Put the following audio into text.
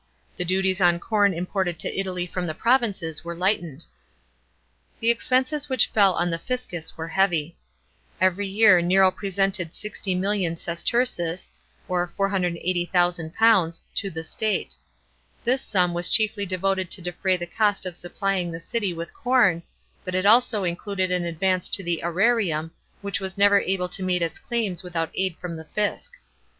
The duties on corn imported to Italy from the provinces were lightened. The expenses which fell on the fiscus were heavy. Every year Nero presented 60,000,000 sesterces (£480,000) " to the state." This sum was chiefly devoted to defray the cost of supplying the city with corn, but it also included an advance to the aerarium, which was never able to meet its claims without aid from the fisc.